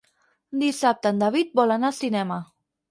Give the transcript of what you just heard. Dissabte en David vol anar al cinema.